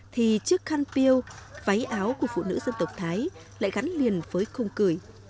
thì chiếc khăn piêu váy áo của phụ nữ dân tộc thái lại gắn liền với không cười